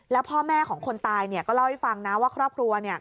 แล้วพ่อแม่ของคนตายก็เล่าให้ฟังนะว่าครอบครัว